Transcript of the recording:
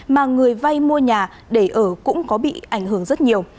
mà người vay mua nhà để ở cũng có bị ảnh hưởng rất nhiều